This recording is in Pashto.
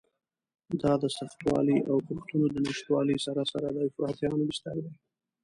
دا د سختوالي او کښتونو د نشتوالي سره سره د افراطیانو بستر دی.